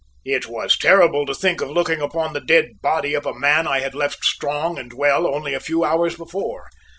It was terrible to think of looking upon the dead body of a man I had left strong and well only a few hours before.